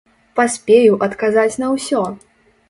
Паспею адказаць на ўсё!